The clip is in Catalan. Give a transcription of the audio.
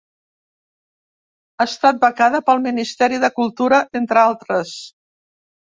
Ha estat becada pel Ministeri de Cultura, entre altres.